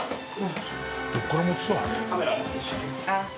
どこから持ってきたの？